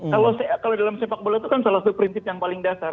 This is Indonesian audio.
kalau dalam sepak bola itu kan salah satu prinsip yang paling dasar